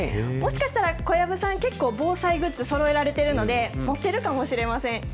もしかしたら小籔さん、結構防災グッズそろえられてるので、持ってるかもしれません。